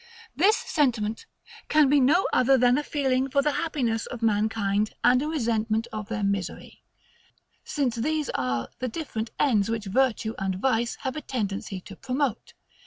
This SENTIMENT can be no other than a feeling for the happiness of mankind, and a resentment of their misery; since these are the different ends which virtue and vice have a tendency to promote.